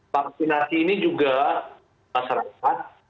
vaksinasi ini juga masyarakat